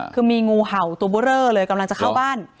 คือมีงูเห่าตัวเบอร์เรอเลยกำลังจะเข้าบ้าน